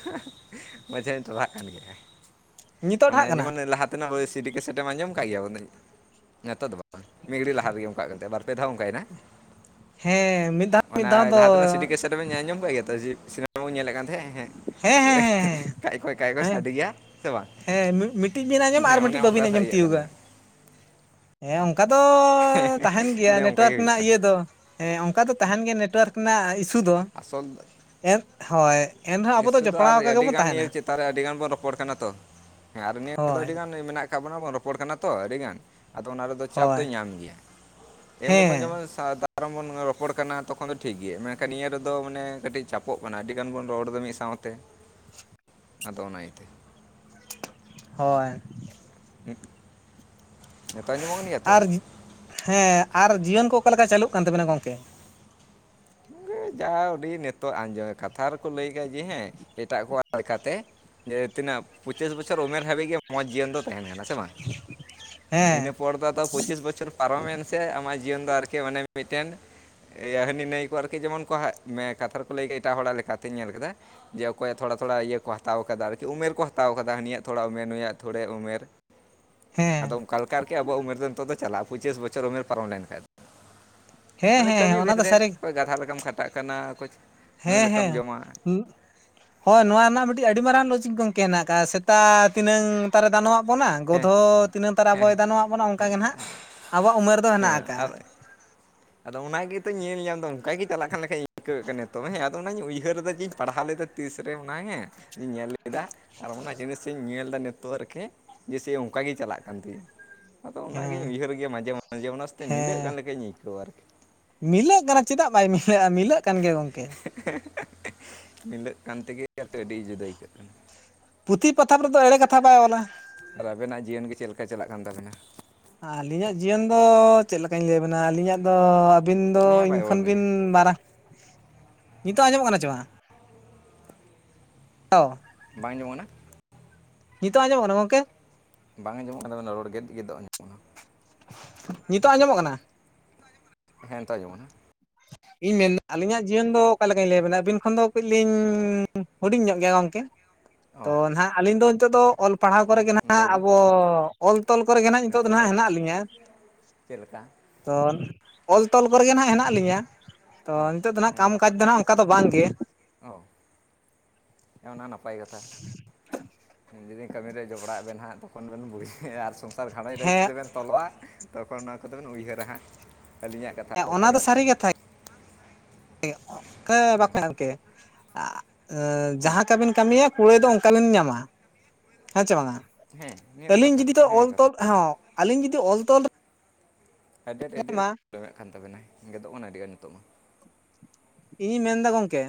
ᱢᱟᱡᱷᱮᱧ ᱴᱟᱨᱦᱟᱜ ᱠᱟᱱ ᱜᱮᱭᱟ᱾ ᱱᱤᱛᱚᱜ ᱴᱷᱟᱜ ᱢᱟᱱᱮ ᱠᱟᱱᱟ ᱡᱮᱢᱚᱱ ᱮ ᱞᱟᱦᱟ ᱛᱮᱱᱟᱜ ᱳᱭ ᱥᱤᱰᱤ ᱠᱮᱥᱮᱴᱮᱢ ᱟᱸᱡᱚᱢ ᱠᱟᱜ ᱜᱮᱭᱟ ᱚᱱᱮ ᱧᱮᱛᱚᱜ ᱫᱚ ᱵᱟᱝ᱾ ᱢᱤᱫᱜᱷᱟᱹᱲᱤ ᱞᱟᱦᱟ ᱨᱮᱜᱮ ᱚᱱᱠᱟᱜ ᱠᱟᱱ ᱛᱟᱦᱮ ᱵᱟᱨ ᱯᱮ ᱫᱷᱟᱣ ᱚᱱᱠᱟᱭ ᱱᱟ᱾ ᱦᱮᱸ ᱢᱤᱫ ᱫᱷᱟᱣ ᱢᱤᱫ ᱫᱷᱟᱣ ᱫᱚ ᱫᱚ ᱵᱮᱱ ᱟᱸᱡᱚᱢ ᱠᱟᱜ ᱜᱮᱭᱟ ᱛᱚ ᱡᱮ ᱥᱤᱱᱮᱢᱟ ᱵᱚᱱ ᱧᱮᱞᱮᱫ ᱠᱟᱱ ᱛᱟᱦᱮᱸᱫ, ᱦᱮᱸ᱾ ᱦᱮᱸ ᱦᱮᱸ [inaudible] ᱠᱷᱟᱭ ᱠᱷᱚᱭ ᱠᱷᱟᱭ ᱠᱷᱚᱭ ᱦᱮᱸ ᱥᱟᱰᱮ ᱜᱮᱭᱟ᱾ ᱥᱮ ᱵᱟᱝ ᱦᱮᱸ ᱦᱮᱸ ᱢᱤᱫᱴᱤᱡ ᱵᱤᱱ ᱟᱸᱡᱚᱢᱟ ᱟᱨ ᱦᱮᱸ ᱚᱱᱮ ᱢᱤᱫᱴᱤᱡ ᱵᱟᱹᱵᱤᱱ ᱚᱝᱠᱟ ᱥᱮ ᱟᱸᱡᱚᱢ ᱤᱭᱟᱹᱜ ᱛᱤᱭᱳᱜᱟ ᱠᱟᱱᱟ᱾ ᱦᱮᱸ ᱚᱝᱠᱟ ᱫᱚ ᱛᱟᱦᱮᱱ ᱜᱮᱭᱟ ᱚᱱᱮ ᱚᱱᱠᱟ ᱜᱮ ᱱᱮᱴᱚᱣᱟᱨᱠ ᱦᱩᱭᱩᱜ ᱨᱮᱱᱟᱜ ᱠᱟᱱᱟ ᱤᱭᱟᱹ ᱫᱚ᱾ ᱦᱮᱸ ᱚᱱᱠᱟ ᱫᱚ ᱛᱟᱦᱮᱱ ᱜᱮᱭᱟ ᱱᱮᱴᱣᱟᱨᱠ ᱨᱮᱱᱟᱜ ᱤᱥᱩ ᱫᱚ᱾ ᱟᱥᱚᱞ ᱮᱫ ᱦᱳᱭ ᱮᱱᱦᱚᱸ ᱟᱵᱚ ᱫᱚ ᱡᱚᱯᱲᱟᱣ ᱠᱟ ᱜᱮᱵᱚᱱ ᱛᱟᱦᱮᱱᱟ᱾ ᱛᱟᱦᱟᱨᱮ ᱟᱹᱰᱤ ᱜᱟᱱ ᱵᱚᱱ ᱨᱚᱯᱚᱲ ᱠᱟᱱᱟ ᱛᱚ ᱦᱮᱸ ᱟᱨ ᱱᱤᱭᱟᱹ ᱫᱚ ᱦᱳᱭ ᱟᱹᱰᱤ ᱜᱟᱱ ᱢᱮᱱᱟᱜ ᱠᱟᱜ ᱵᱚᱱᱟ ᱵᱚᱱ ᱨᱚᱯᱚᱲ ᱠᱟᱱᱟ ᱛᱚ ᱟᱹᱰᱤ ᱜᱟᱱ ᱟᱫᱚ ᱚᱱᱟ ᱨᱮᱫᱚ ᱪᱟᱯ ᱦᱳᱭ ᱫᱚᱭ ᱧᱟᱢ ᱜᱮᱭᱟ ᱮᱢᱱᱤ ᱵᱚᱱ ᱦᱮᱸ ᱡᱮᱢᱚᱱ [inaudible] ᱵᱚᱱ ᱨᱚᱯᱚᱲ ᱠᱟᱱᱟ ᱛᱚᱠᱷᱚᱱ ᱫᱚ ᱴᱷᱤᱠ ᱜᱮᱭᱟ ᱢᱮᱱ ᱠᱷᱟᱡ ᱱᱤᱭᱟᱹ ᱨᱮᱫᱚ ᱢᱟᱱᱮ ᱠᱟᱹᱴᱤᱡ ᱪᱟᱯᱚᱜ ᱠᱟᱱᱟ ᱟᱹᱰᱤ ᱜᱟᱱ ᱵᱚᱱ ᱨᱚᱲ ᱫᱟ ᱢᱤᱫ ᱥᱟᱶᱛᱮ᱾ [inaudible] ᱟᱫᱚ ᱚᱱᱟ ᱤᱭᱟᱹ ᱛᱮ᱾ ᱦᱳᱭ᱾ ᱦᱩᱸ ᱱᱤᱛᱚᱜ ᱟᱸᱡᱚᱢᱚᱜ ᱠᱟᱱ ᱜᱮᱭᱟ ᱛᱚ᱾ ᱟᱨ ᱦᱮᱸ ᱟᱨ ᱡᱤᱭᱚᱱ ᱠᱚ ᱚᱠᱟ ᱞᱮᱠᱟ ᱪᱟᱹᱞᱩᱜ ᱠᱟᱱ ᱛᱟᱵᱮᱱᱟ ᱜᱚᱝᱠᱮ? [inaudible] ᱫᱟ ᱚᱰᱤ ᱱᱮᱛᱚᱜ ᱟᱸᱡᱚ ᱠᱟᱛᱷᱟ ᱨᱮᱠᱚ ᱞᱟᱹᱭ ᱠᱟᱜ ᱡᱮ ᱦᱮᱸ ᱮᱴᱟᱜ ᱠᱚᱣᱟᱜ ᱞᱮᱠᱟ ᱛᱮ ᱡᱮ ᱛᱤᱱᱟᱹᱜ ᱯᱚᱸᱪᱤᱥ ᱵᱚᱪᱚᱨ ᱩᱢᱮᱨ ᱦᱟᱹᱵᱤᱡ ᱜᱮ ᱢᱚᱸᱪ ᱡᱤᱭᱚᱱ ᱫᱚ᱾ ᱛᱟᱦᱮᱱᱟ ᱱᱟᱥᱮ ᱵᱟᱝ ᱦᱮᱸ ᱤᱱᱟᱹ ᱯᱚᱨ ᱫᱚ ᱟᱫᱚ ᱯᱚᱸᱪᱤᱥ ᱵᱚᱪᱷᱚᱨ ᱯᱟᱨᱚᱢᱮᱱ ᱥᱮ ᱟᱢᱟᱜ ᱡᱤᱭᱚᱱ ᱫᱚ ᱟᱨᱠᱤ ᱚᱱᱮ ᱢᱤᱫᱴᱮᱱ ᱮ ᱦᱟᱹᱱᱤ ᱱᱟᱹᱭ ᱟᱨᱠᱤ ᱡᱮᱢᱚᱱ ᱠᱚ ᱦᱟᱜ ᱢᱮ ᱠᱟᱛᱷᱟ ᱨᱮᱠᱚ ᱞᱟᱹᱭ ᱠᱮᱫᱟ ᱮᱴᱟᱜ ᱦᱚᱲᱟᱜ ᱞᱮᱠᱟᱛᱮᱧ ᱧᱮᱞ ᱠᱮᱫᱟ ᱡᱮ ᱚᱠᱚᱭᱟᱜ ᱛᱷᱚᱲᱟ ᱛᱷᱚᱲᱟ ᱤᱭᱟᱹ ᱠᱚ ᱦᱟᱛᱟᱣ ᱟᱠᱟᱫᱟ ᱟᱨᱠᱤ ᱩᱢᱮᱨ ᱠᱚ ᱦᱟᱛᱟᱣ ᱟᱠᱟᱫᱟ ᱩᱱᱤᱭᱟᱜ ᱛᱷᱚᱲᱟ ᱩᱢᱮᱨ ᱱᱩᱭᱟᱜ ᱛᱷᱚᱲᱮ ᱩᱢᱮᱨ [inaudible] ᱟᱫᱚ ᱚᱱᱠᱟ ᱞᱮᱠᱟ ᱟᱨᱠᱮ ᱟᱵᱚᱣᱟᱜ ᱩᱢᱮᱨ ᱫᱚ ᱱᱤᱛᱚᱜ ᱫᱚ ᱪᱟᱞᱟᱜᱼᱟ ᱯᱚᱸᱪᱤᱥ ᱵᱚᱪᱷᱚᱨ ᱩᱢᱮᱨ ᱯᱟᱨᱚᱢ ᱞᱮᱱᱠᱷᱟᱭᱡ ᱦᱮᱸ ᱢᱟᱱᱮ ᱦᱮᱸ ᱠᱟᱹᱢᱤ ᱚᱱᱟ ᱵᱷᱮᱫᱽ ᱫᱚ ᱨᱮ ᱥᱟᱹᱨᱤ ᱚᱠᱚᱭ ᱜᱟᱫᱷᱟ ᱞᱮᱠᱟᱢ ᱠᱷᱟᱴᱟᱜ ᱠᱟᱱᱟ ᱚᱠᱚᱭ ᱱᱩᱭ ᱦᱮᱸ ᱞᱮᱠᱟᱢ ᱦᱮᱸ ᱡᱚᱢᱟ᱾ ᱦᱳᱭ ᱱᱚᱣᱟ ᱨᱮᱱᱟᱜ ᱢᱤᱫᱴᱤᱡ ᱟᱹᱰᱤ ᱢᱟᱨᱟᱝ ᱞᱚᱡᱤᱠ ᱜᱚᱝᱠᱮ ᱦᱮᱱᱟᱜ ᱟᱠᱟᱜᱼᱟ ᱥᱮᱛᱟ ᱛᱤᱱᱟᱹᱝ ᱛᱟᱨᱮ ᱫᱟᱱᱚ ᱟᱜ ᱵᱚᱱᱟ ᱦᱮᱸ ᱜᱚᱫᱷᱚ ᱛᱤᱱᱟᱹᱜ ᱛᱟᱨᱟ ᱦᱮᱸ ᱟᱵᱚᱭ ᱫᱟᱱᱚᱣᱟᱜ ᱵᱚᱱᱟ ᱚᱱᱠᱟ ᱜᱮ ᱱᱟᱦᱟᱜ ᱟᱵᱚᱣᱟᱜ ᱩᱢᱮᱨ ᱫᱚ ᱦᱮᱱᱟᱜ ᱦᱮᱸ ᱟᱠᱟᱜᱼᱟ᱾ ᱟᱨ ᱟᱫᱚ ᱚᱱᱟ ᱜᱮ ᱛᱚᱧ ᱧᱮᱞ ᱧᱟᱢᱫᱟ ᱚᱱᱠᱟ ᱜᱮ ᱪᱟᱞᱟᱜ ᱠᱷᱟᱱ ᱞᱮᱠᱟᱧ ᱟᱹᱭᱠᱟᱹᱣᱮᱜ ᱠᱟᱱᱟ ᱱᱤᱛᱚᱜ ᱦᱮᱸ ᱟᱫᱚ ᱚᱱᱟᱧ ᱩᱭᱦᱟᱹᱨ ᱫᱟ ᱡᱮ ᱤᱧ ᱯᱟᱲᱦᱟᱣ ᱞᱮᱫᱟ᱾ ᱛᱤᱥᱨᱮ ᱚᱱᱟ ᱦᱮᱸ ᱧᱮᱞ ᱞᱮᱫᱟ ᱟᱨ ᱚᱱᱟ ᱡᱤᱱᱤᱥᱤᱧ ᱧᱮᱞ ᱫᱟ ᱱᱤᱛᱚᱜ ᱟᱨᱠᱤ ᱡᱮᱭᱥᱮ ᱚᱱᱠᱟ ᱜᱮ ᱪᱟᱞᱟᱜ ᱠᱟᱱ ᱛᱤᱧᱟᱹ᱾ ᱟᱫᱚ ᱚᱱᱟ ᱜᱮᱧ ᱦᱮᱸ ᱩᱭᱦᱟᱹᱨ ᱜᱮᱭᱟ ᱢᱟᱡᱷᱮ ᱢᱟᱡᱷᱮ ᱚᱱᱟ ᱥᱚᱛᱮᱜ ᱢᱤᱞᱟᱹᱜ ᱦᱮᱸ ᱠᱟᱱ ᱞᱮᱠᱟᱧ ᱟᱹᱭᱠᱟᱹᱣᱟ ᱟᱨᱠᱤ᱾ ᱢᱤᱞᱟᱹᱜ ᱠᱟᱱᱟ ᱪᱮᱫᱟᱜ ᱵᱟᱭ ᱢᱤᱞᱟᱹᱜᱼᱟ ᱢᱤᱞᱟᱹᱜ ᱠᱟᱱ ᱜᱮ ᱜᱚᱝᱠᱮ᱾ [unintelligible] ᱧᱤᱱᱫᱟ. ᱜ ᱠᱟᱱ ᱛᱮᱜᱮ ᱟᱹᱰᱤ ᱡᱩᱫᱟᱹ ᱟᱹᱭᱠᱟᱹᱜ ᱠᱟᱱᱟ ᱯᱩᱛᱷᱤ ᱯᱚᱛᱷᱟᱢ ᱨᱮ ᱫᱚ ᱮᱲᱮ ᱠᱟᱛᱷᱟ ᱵᱟᱭ ᱚᱞᱟ ᱟᱨ ᱟᱵᱮᱱᱟᱜ ᱡᱤᱭᱚᱱ ᱜᱮ ᱪᱮᱫ ᱞᱮᱠᱟ ᱪᱟᱞᱟᱜ ᱠᱟᱱ ᱛᱟᱵᱮᱱᱟ ᱟᱹᱞᱤᱧᱟᱜ ᱡᱤᱭᱚᱱ ᱫᱚ ᱪᱮᱫ ᱞᱮᱠᱟᱧ ᱞᱟᱹᱭ ᱟᱵᱮᱱᱟ ᱟᱹᱞᱤᱧᱟᱜ ᱫᱚ ᱟᱹᱵᱤᱱ ᱫᱚ ᱦᱮᱸ ᱤᱧ ᱵᱟᱭ ᱨᱚᱲ ᱠᱷᱚᱱ ᱱᱤᱭᱟᱹ ᱵᱤᱱ ᱢᱟᱨᱟᱝ ᱱᱤᱛᱳᱜ ᱟᱸᱡᱚᱢᱚᱜ ᱠᱟᱱᱟ ᱪᱮ ᱵᱟᱝᱟ? [unintelligible] ᱵᱟᱝ ᱟᱸᱡᱚᱢᱚᱜ ᱠᱟᱱᱟ ᱱᱤᱛᱚᱜ ᱟᱸᱡᱚᱢᱚᱜ ᱠᱟᱱᱟ ᱜᱚᱝᱠᱮ? ᱵᱟᱝ ᱟᱸᱡᱚᱢᱚᱜ ᱠᱟᱱᱟ ᱨᱚᱲ ᱜᱮᱫ ᱜᱮᱫ ᱟᱡᱚᱢ ᱱᱤᱛᱳᱜ ᱟᱸᱡᱚᱢᱚᱜ ᱠᱟᱱᱟ? ᱦᱮᱸ ᱱᱤᱛᱳᱜ ᱟᱸᱡᱚᱢᱚᱜ ᱠᱟᱱᱟ [inaudible] ᱤᱧ ᱢᱮᱱᱫ... ᱟᱹᱞᱤᱧᱟᱜ ᱡᱤᱭᱚᱱ ᱫᱚ ᱚᱠᱟ ᱞᱮᱠᱟᱧ ᱞᱟᱹᱭ ᱟᱵᱤᱱᱟ ᱟᱹᱵᱤᱱ ᱠᱷᱚᱱ ᱫᱚ ᱠᱟᱹᱡ ᱞᱤᱧ ᱦᱩᱰᱤᱧ ᱧᱚᱜ ᱜᱮᱭᱟ ᱜᱚᱝᱠᱮ ᱛᱚ ᱱᱟᱦᱟᱸᱜ ᱟᱹᱞᱤᱧ ᱫᱚ ᱱᱤᱛᱚᱜ ᱫᱚ ᱚᱞ ᱯᱟᱲᱦᱟᱣ ᱠᱚᱨᱮ ᱜᱮ ᱚ ᱞᱟᱹᱭ ᱱᱟᱦᱟᱸᱜ ᱵᱮᱱ ᱟᱵᱚ ᱚᱞ ᱛᱚᱞ ᱠᱚᱨᱮ ᱜᱮ ᱱᱟᱢᱟ ᱤᱧ... ᱱᱤᱛᱚᱜ ᱫᱚ ᱱᱟᱦᱟᱜ ᱦᱮᱱᱟᱜ ᱞᱤᱧᱟᱹ ᱪᱮᱫ ᱞᱮᱠᱟ ᱛᱚ ᱚᱞ ᱛᱚᱞ ᱠᱚᱨᱮᱜᱮ ᱦᱟᱸᱜ ᱦᱮᱱᱟᱜ ᱞᱤᱧᱟᱹ ᱛᱚ ᱚ ᱱᱤᱛᱳᱜ ᱫᱚ ᱱᱟᱦᱟᱜ ᱦᱮᱸ ᱠᱟᱢ ᱠᱟᱡᱽ ᱱᱟᱯᱟᱭ ᱫᱚ ᱱᱟᱦᱟᱜ ᱚᱱᱠᱟ ᱫᱚ ᱵᱟᱝᱜᱮ ᱚ ᱦᱮ ᱚᱱᱟ ᱱᱟᱯᱟᱭ ᱠᱟᱛᱷᱟ ᱦᱤᱱᱡᱤᱨᱤᱝ ᱠᱟᱹᱢᱤ ᱨᱮ ᱡᱚᱜᱽᱲᱟᱜ ᱟᱵᱮᱱ ᱱᱟᱦᱟᱜ ᱛᱚᱠᱷᱚᱱ ᱵᱮᱱ ᱵᱩᱡᱷᱟᱣᱼᱟ ᱟᱨ ᱥᱚᱱᱥᱟᱨ [unintelligible] ᱜᱷᱨᱮᱸᱡᱽ ᱨᱮ ᱦᱮᱸ ᱡᱩᱫᱤ ᱵᱮᱱ ᱛᱚᱞᱚᱜᱼᱟ ᱛᱚᱠᱷᱚᱱ ᱱᱚᱣᱟ ᱠᱚᱫᱚᱵᱮᱱ ᱩᱭᱦᱟᱹᱨᱟ ᱦᱟᱸᱜ ᱟᱹᱞᱤᱧᱟᱜ ᱠᱟᱛᱷᱟ ᱦᱮᱸ ᱚᱱᱟ ᱞᱮᱠᱟᱜᱮ ᱫᱚ ᱟᱨᱠᱤ ᱥᱟᱹᱨᱤ ᱠᱟᱛᱷᱟ [unintelligible] ᱟ.. ᱟᱺ... ᱦᱮᱸ ᱡᱟᱦᱟᱸ ᱞᱮᱠᱟ ᱵᱤᱱ ᱠᱟᱹᱢᱤᱭᱟ ᱠᱩᱲᱟᱹᱭ ᱫᱚ ᱚᱱᱠᱟ ᱵᱤᱱ ᱧᱟᱢᱟ ᱦᱮᱸ ᱪᱮ ᱵᱟᱝᱟ ᱦᱮᱸ ᱱᱤᱭᱟᱹ ᱫᱚ ᱟᱹᱞᱤᱧ ᱠᱟᱛᱷᱟ ᱡᱩᱫᱤ ᱛᱚ... ᱚᱞ ᱦᱮᱸ ᱠᱟᱛᱷᱟ ᱛᱚᱞ ᱠᱟᱱᱟ ᱦᱚᱸ ᱟᱹᱞᱤᱧ ᱡᱩᱫᱤ ᱚᱞ ᱛᱚᱞ ᱨᱮ ᱦᱟᱭᱰᱮᱰ ᱟᱭᱰᱮᱰ ᱟᱭᱢᱟ ᱟᱸᱡᱚᱢᱚᱜ ᱠᱟᱱ ᱛᱟᱵᱮᱱᱟᱭ ᱜᱮᱫᱚᱜ ᱠᱟᱱᱟ ᱟᱹᱰᱤ ᱜᱟᱱ ᱱᱤᱛᱳᱚᱜ ᱢᱟ ᱤᱧ ᱢᱮᱱᱫᱟ ᱜᱚᱢᱠᱮ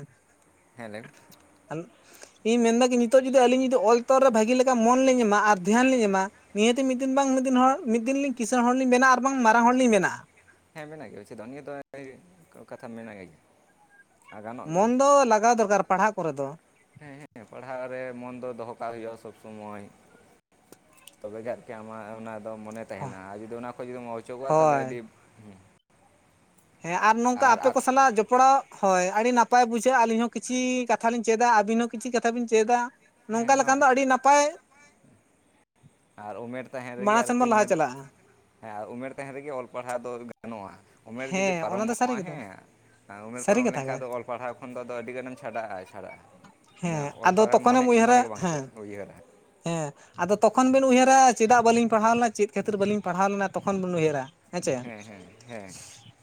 ᱦᱮᱸ ᱞᱮᱹᱣ [unintelligible] ᱤᱧ ᱢᱮᱱᱫᱟ ᱠᱤ ᱱᱤᱛᱚᱜ ᱡᱩᱫᱤ ᱟᱹᱞᱤᱧ ᱡᱩᱫᱤ ᱚᱞ ᱛᱚᱞ ᱨᱮ ᱵᱷᱟᱹᱜᱤ ᱞᱮᱠᱟ ᱢᱚᱱ ᱞᱤᱧ ᱮᱢᱟ ᱟᱨ ᱫᱷᱮᱭᱟᱱ ᱞᱤᱧ ᱮᱢᱟ ᱱᱤᱦᱟᱹᱛᱤ ᱢᱤᱫ ᱫᱤᱱ ᱵᱟᱝ ᱢᱤᱫ ᱫᱤᱱ ᱦᱚᱲ ᱢᱤᱫ ᱫᱤᱱ ᱞᱤᱧ ᱠᱤᱥᱟᱹᱬ ᱦᱚᱲ ᱞᱤᱧ ᱵᱮᱱᱟᱜ-ᱟ ᱟᱨ ᱵᱟᱝ ᱢᱟᱨᱟᱝ ᱦᱚᱲᱞᱤᱧ ᱵᱮᱱᱟᱣᱜᱼᱟ ᱦᱮᱸ ᱵᱮᱱᱟᱜ ᱜᱮ ᱟᱭᱥᱮ ᱫᱚ ᱱᱤᱭᱟᱹ ᱫᱚᱭ ᱠᱟᱛᱷᱟ ᱢᱮᱱᱠᱟᱜᱼᱟ ᱢᱚᱱ ᱫᱚ ᱞᱟᱜᱟᱣ ᱫᱚᱨᱠᱟᱨ ᱯᱟᱲᱦᱟᱜ ᱠᱚᱨᱮ ᱫᱚ ᱦᱮᱸ ᱦᱮᱸ ᱯᱟᱲᱦᱟᱜ ᱨᱮ ᱢᱚᱱ ᱫᱚ ᱫᱚᱦᱚ ᱠᱟᱜ ᱦᱩᱭᱩᱜᱼᱟ ᱥᱚᱵᱽ ᱥᱚᱢᱚᱭ ᱛᱚᱵᱮ ᱜᱮ ᱠᱤ ᱟᱢᱟᱜ ᱚᱱᱟ ᱫᱚ ᱢᱚᱱᱮ ᱛᱟᱦᱮᱱᱼᱟ ᱟᱨ ᱡᱩᱫᱤ ᱚᱱᱟ ᱠᱷᱚᱱ ᱡᱩᱫᱤᱢ ᱚᱪᱚᱜᱚᱜᱼᱟ ᱛᱟᱦᱞᱮ ᱦᱳᱭ ᱟᱹᱰᱤ ᱦᱮᱸ ᱟᱨ ᱱᱚᱝᱠᱟ ᱟᱯᱮ ᱠᱚ ᱥᱟᱞᱟᱜ ᱡᱚᱯ... ᱡᱚᱯᱲᱟᱣ ᱦᱳᱭ ᱟᱹᱰᱤ ᱱᱟᱯᱟᱭ ᱵᱩᱡᱷᱟᱹᱜᱼᱟ ᱟᱹᱞᱤᱧ ᱦᱚᱸ ᱠᱤᱪᱷᱤ ᱠᱟᱛᱷᱟ ᱞᱤᱧ ᱪᱮᱫᱟ ᱟᱹᱵᱤᱱ ᱦᱚᱸ ᱠᱤᱪᱷᱤ ᱠᱟᱛᱷᱟ ᱵᱤᱱ ᱪᱮᱫᱟ ᱱᱚᱝᱠᱟ ᱦᱮᱸ ᱚᱱᱟᱢᱟ ᱞᱮᱠᱷᱟᱱ ᱫᱚ ᱠᱟᱱᱟ ᱟᱹᱰᱤ ᱱᱟᱯᱟᱭ ᱟᱨ ᱩᱢᱮᱨ ᱛᱟᱦᱮᱱ ᱨᱮ ᱜᱮ ᱢᱟᱲᱟᱝ ᱥᱮᱱ ᱟᱨᱠᱤ ᱵᱚᱱ ᱞᱟᱦᱟ ᱱᱤᱭᱟᱹ ᱫᱚ ᱪᱟᱞᱟᱜᱼᱟ ᱦᱮᱸ ᱟᱨ ᱩᱢᱮᱨ ᱛᱟᱦᱮᱱ ᱨᱮᱜᱮ ᱚᱞ ᱯᱟᱲᱦᱟᱣ ᱫᱚ ᱜᱟᱱᱚᱜᱼᱟ ᱩᱢᱮᱨ ᱡᱩᱫᱤ ᱦᱮᱸ ᱚᱱᱟ ᱫᱚ ᱥᱟᱹᱨᱤ ᱯᱟᱨᱚᱢᱚᱜᱼᱟ ᱠᱟᱛᱷᱟ ᱦᱮᱸ ᱩᱢᱮᱨ ᱥᱟᱹᱨᱤ ᱯᱟᱨᱚᱢ ᱠᱟᱛᱷᱟ ᱞᱮᱱᱠᱷᱟᱡ ᱜᱮ ᱟᱫᱚ ᱚᱞ ᱯᱟᱲᱦᱟᱣ ᱠᱷᱚᱱ ᱫᱚ ᱟᱹᱰᱤ ᱜᱟᱱᱮᱢ ᱪᱷᱟᱰᱟᱜᱼᱟ ᱪᱷᱟᱰᱟᱜᱼᱟ ᱦᱮᱸ ᱚᱞ ᱟᱫᱚ ᱯᱟᱲᱦᱟᱣ ᱛᱚᱠᱷᱚᱱᱮᱢ ᱢᱚᱱᱮ ᱩᱭᱦᱟᱹᱨᱟ ᱢᱚᱱᱮ ᱜᱮ ᱵᱟᱝ ᱦᱮᱸ ᱦᱤᱡᱩᱜᱼᱟ ᱩᱭᱦᱟᱹᱨ ᱦᱮᱸ ᱟᱫᱚ ᱛᱚᱠᱷᱚᱱ ᱵᱮᱱ ᱩᱭᱦᱟᱹᱨᱟ ᱪᱮᱫᱟᱜ ᱵᱟᱹᱞᱤᱧ ᱯᱟᱲᱦᱟᱣ ᱞᱮᱱᱟ ᱪᱮᱫ ᱠᱷᱟᱹᱛᱤᱨ ᱵᱟᱹᱞᱤᱧ ᱯᱟᱲᱦᱟᱣ ᱞᱮᱱᱟ ᱛᱚᱠᱷᱚᱱ ᱵᱤᱱ ᱩᱭᱦᱟᱹᱨᱟ ᱦᱮᱸ ᱪᱮ ᱦᱮᱸ ᱦᱮᱸ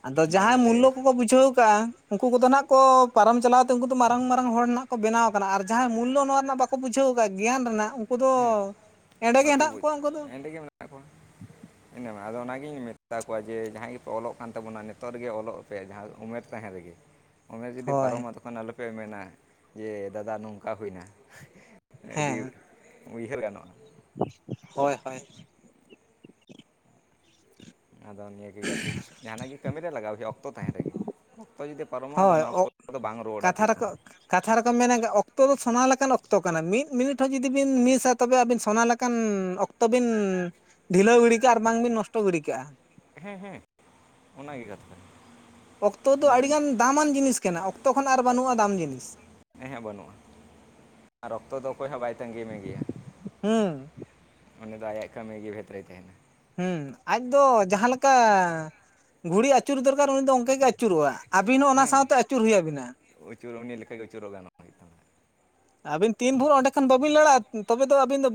ᱟᱫᱚ ᱡᱟᱦᱟᱸᱭ ᱚᱱᱟᱜᱤᱧ ᱢᱩᱞᱞᱚ ᱞᱟᱹᱭᱟ ᱠᱚᱠᱚ ᱵᱩᱡᱷᱟᱹᱣ ᱟᱠᱟᱜᱼᱟ ᱩᱱᱠᱩ ᱠᱚᱫᱚ ᱱᱟᱦᱟᱜ ᱠᱚ ᱯᱟᱨᱚᱢ ᱪᱟᱞᱟᱣᱛᱮ ᱩᱱᱠᱩ ᱫᱚ ᱢᱟᱨᱟᱝ ᱢᱟᱨᱟᱝ ᱦᱚᱲ ᱱᱟᱦᱟᱜ ᱠᱚ ᱵᱮᱱᱟᱣ ᱟᱠᱟᱱᱟ ᱟᱨ ᱡᱟᱦᱟᱸᱭ ᱢᱩᱞᱞᱚ ᱱᱚᱣᱟ ᱨᱮᱱᱟᱜ ᱵᱟᱠ..... ᱠᱚ ᱵᱩᱡᱷᱟᱹᱣ ᱟᱠᱟᱫ ᱜᱮᱭᱟᱱ ᱨᱮᱱᱟᱜ, ᱩᱱᱠᱩ ᱫᱚ ᱦᱮᱸ ᱮᱸᱰᱮ ᱜᱮ ᱵᱟᱠᱚ ᱦᱮᱱᱟᱜ ᱵᱩᱡᱽ ᱠᱚᱣᱟ ᱩᱱᱠᱩ ᱫᱚ [unintelligible] ᱦᱮᱱᱟᱢᱟ, ᱟᱫᱚ ᱚᱱᱟᱜᱤᱧ ᱢᱮᱛᱟ ᱠᱚᱣᱟ ᱡᱮ ᱡᱟᱦᱟᱸᱭ ᱜᱤ ᱯᱮ ᱚᱞᱚᱜ ᱠᱟᱱ ᱛᱟᱵᱚᱱᱟ ᱱᱤᱛᱚᱜ ᱨᱮᱜᱮ ᱚᱞᱚᱜ ᱯᱮ ᱡᱟᱦᱟᱸ ᱩᱢᱮᱨ ᱛᱟᱦᱮᱸ ᱨᱮᱜᱮ [inaudible] ᱩᱢᱮᱨ ᱡᱩᱫᱤ ᱦᱳᱭ ᱯᱟᱨᱚᱢᱚᱜᱼᱟ ᱛᱚᱠᱷᱚᱱ ᱟᱞᱚᱯᱮ ᱢᱮᱱᱟ ᱡᱮ ᱫᱟᱫᱟ ᱱᱚᱝᱠᱟ ᱦᱩᱭᱱᱟ ᱟᱹᱰᱤ ᱩᱭᱦᱟᱹᱨ ᱜᱟᱱᱚᱜᱼᱟ ᱦᱚᱭ ᱦᱚᱭ ᱟᱫᱚ ᱱᱤᱭᱟᱹ ᱜᱮ ᱡᱟᱦᱟᱸ ᱱᱟᱜ ᱜᱮ ᱠᱟᱹᱢᱤ ᱨᱮ ᱞᱟᱜᱟᱣ ᱦᱩᱭᱩᱜ-ᱟ ᱚᱠᱛᱚ ᱛᱟᱦᱮᱸ ᱨᱮᱜᱮ ᱚᱠᱛᱚ ᱡᱩᱫᱤ ᱯᱟᱨᱚᱢᱚᱜ-ᱟ ᱟᱫᱚ ᱦᱳᱭ ᱚᱱᱟ ᱚᱠᱛᱚ ᱫᱚ ᱵᱟᱝ ᱨᱩᱣᱟᱹᱲᱟ ᱠᱟᱛᱷᱟ ᱛᱤᱥ ᱦᱚᱸ ᱨᱮᱠᱚ ᱾ ᱠᱟᱛᱷᱟ ᱨᱮᱠᱚ ᱢᱮᱱᱟ ᱚᱠᱛᱚ ᱫᱚ ᱥᱚᱱᱟ ᱞᱮᱠᱟᱱ ᱚᱠᱛᱚ ᱠᱟᱱᱟ ᱢᱤᱫ ᱢᱤᱱᱤᱴ ᱦᱚᱸ ᱡᱩᱫᱤ ᱵᱤᱱ ᱢᱤᱥᱟᱼᱼ ᱛᱚᱵᱮ ᱟᱹᱵᱤᱱ ᱥᱚᱱᱟ ᱞᱮᱠᱟᱱ ᱚᱠᱛᱚ ᱵᱤᱱ ᱰᱷᱤᱞᱟᱹᱣ ᱜᱤᱰᱤ ᱠᱟᱜ-ᱟ ᱟᱨ ᱵᱟᱝ ᱵᱤᱱ ᱱᱚᱥᱴᱚ ᱜᱤᱰᱤ ᱠᱟᱜ-ᱟ ᱦᱮᱸ ᱦᱮᱸ ᱚᱱᱟ ᱜᱮ ᱠᱟᱛᱷᱟ ᱾ ᱚᱠᱛᱚ ᱫᱚ ᱟᱹᱰᱤ ᱜᱟᱱ ᱫᱟᱢᱟᱱ ᱡᱤᱱᱤᱥ ᱠᱟᱱᱟ ᱚᱠᱛᱚ ᱠᱷᱚᱱ ᱟᱨ ᱵᱟᱹᱱᱩᱜ-ᱟ ᱫᱟᱢ ᱡᱤᱱᱤᱥ ᱾ ᱦᱮᱸ ᱦᱮᱸ ᱵᱟᱹᱱᱩᱜ-ᱟ ᱟᱨ ᱚᱠᱛᱚ ᱫᱚ ᱚᱠᱚᱭ ᱦᱚᱸ ᱵᱟᱭ ᱛᱟᱺᱜᱤ ᱢᱮᱜᱮᱭᱟ ᱦᱩᱸ ᱾ ᱩᱱᱤ ᱫᱚ ᱟᱭᱟᱜ ᱠᱟᱹᱢᱤ ᱜᱮ ᱵᱷᱮᱛᱨᱮᱭ ᱛᱟᱦᱮᱱᱟ ᱦᱩᱸ ᱟᱡ ᱫᱚ ᱡᱟᱦᱟᱸᱮ ᱞᱮᱠᱟ ᱜᱷᱩᱲᱤ ᱟᱹᱪᱩᱨ ᱫᱚᱨᱠᱟᱨ ᱩᱱᱤ ᱫᱚ ᱚᱱᱠᱟ ᱜᱮ ᱟᱹᱪᱩᱨᱚᱜ-ᱟ ᱟᱹᱵᱤᱱ ᱦᱚᱸ ᱚᱱᱟ ᱥᱟᱶᱛᱮ ᱟᱹᱪᱩᱨ ᱦᱩᱭ ᱟᱹᱵᱤᱱᱟ ᱾ ᱟᱹᱪᱩᱨᱚᱜ ᱩᱱᱤ ᱞᱮᱠᱟ ᱜᱮ ᱟᱹᱪᱩᱨᱚᱜ ᱜᱟᱱᱚᱜ ᱜᱮ [unintelligible] ᱟᱹᱵᱤᱱ ᱛᱤᱱ ᱵᱷᱩᱨ ᱚᱸᱰᱮ ᱠᱷᱚᱱ ᱵᱟᱹᱵᱤᱱ ᱞᱟᱲᱟᱜ-ᱟ ᱛᱚᱵᱮ ᱫᱚ ᱟᱹᱵᱤᱱ ᱫᱚ